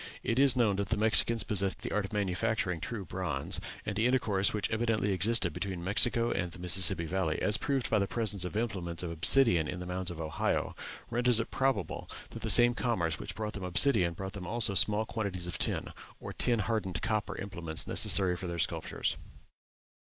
It is known that the Mexicans possessed the art of manufacturing true bronze; and the intercourse which evidently existed between Mexico and the Mississippi Valley, as proved by the presence of implements of obsidian in the mounds of Ohio, renders it probable that the same commerce which brought them obsidian brought them also small quantities of tin, or tin hardened copper implements necessary for their sculptures.